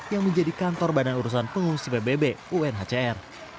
yang menjadi kantor badan urusan pengungsi pbb unhcr